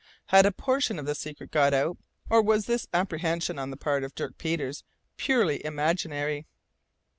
Had a portion of the secret got out, or was this apprehension on the part of Dirk Peters purely imaginary?